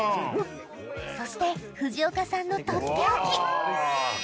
そして藤岡さんのとっておき！